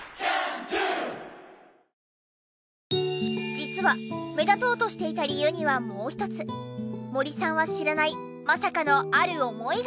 実は目立とうとしていた理由にはもう一つ森さんは知らないまさかのある思いが。